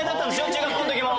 中学校のときも。